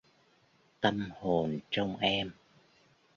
Tâm hồn trong em